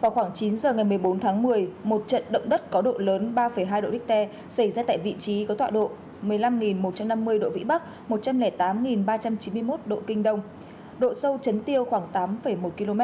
vào khoảng chín giờ ngày một mươi bốn tháng một mươi một trận động đất có độ lớn ba hai độ richter xảy ra tại vị trí có tọa độ một mươi năm một trăm năm mươi độ vĩ bắc một trăm linh tám ba trăm chín mươi một độ kinh đông độ sâu chấn tiêu khoảng tám một km